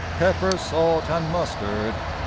Pepper, salt, and mustard, 1d.